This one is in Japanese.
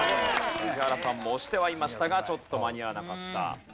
宇治原さんも押してはいましたがちょっと間に合わなかった。